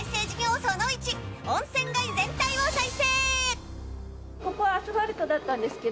その１温泉街全体を再生。